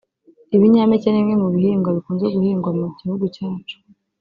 Ibinyampeke ni bimwe mu bihingwa bikunze guhingwa mu gihugu cyacu